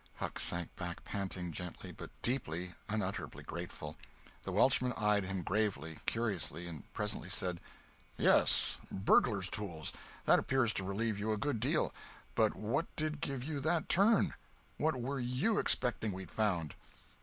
Huck sank back, panting gently, but deeply, unutterably grateful. The Welshman eyed him gravely, curiously—and presently said: "Yes, burglar's tools. That appears to relieve you a good deal. But what did give you that turn? What were you expecting we'd found?"